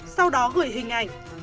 sau đó gửi hình ảnh